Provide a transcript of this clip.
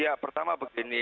ya pertama begini